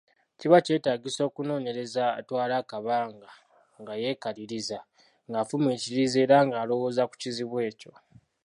Kiba kyetaagisa omunoonyereza atwale akabanga nga yeekaliriza, ng’afumiitiriza era ng’alowooza ku kizibu ekyo.